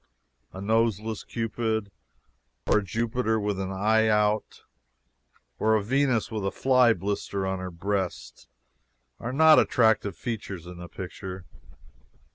A noseless Cupid or a Jupiter with an eye out or a Venus with a fly blister on her breast, are not attractive features in a picture.